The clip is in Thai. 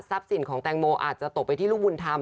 สินของแตงโมอาจจะตกไปที่ลูกบุญธรรม